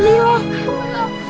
ini buat kalian